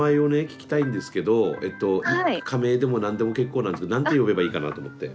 聞きたいんですけど仮名でも何でも結構なんですけど何て呼べばいいかなと思って。